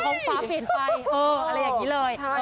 ฟ้าเปลี่ยนไปอะไรอย่างนี้เลย